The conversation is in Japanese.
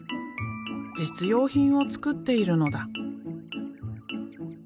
実用品を作っているのだ。